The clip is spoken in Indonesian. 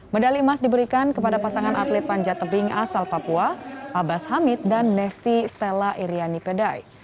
medali emas diberikan kepada pasangan atlet panjat tebing asal papua abbas hamid dan nesti stella iriani pedai